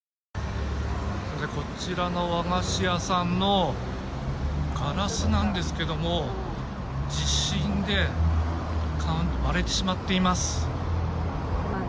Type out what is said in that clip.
こちらの和菓子屋さんのガラスなんですけども地震で割れてしまっています。